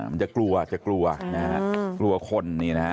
มันจะกลัวจะกลัวนะครับ